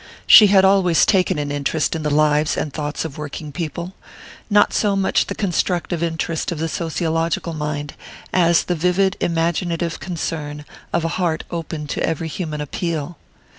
She had always taken an interest in the lives and thoughts of working people: not so much the constructive interest of the sociological mind as the vivid imaginative concern of a heart open to every human appeal.